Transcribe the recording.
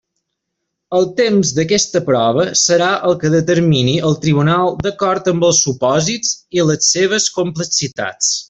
El temps d'aquesta prova serà el que determini el tribunal d'acord amb els supòsits i les seves complexitats.